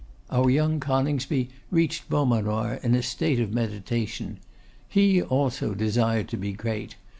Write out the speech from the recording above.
Our young Coningsby reached Beaumanoir in a state of meditation. He also desired to be great.